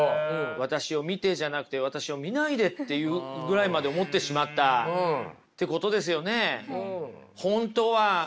私を見てじゃなくて私を見ないでっていうぐらいまで思ってしまったってことですよね。